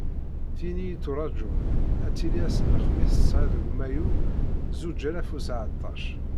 Tin i yetturaǧun ad tili ass n lexmis tesεa deg mayu zuǧ alaf u seεṭac..